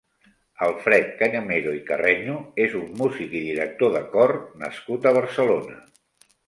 Alfred Cañamero i Carreño és un músic i director de cor nascut a Barcelona.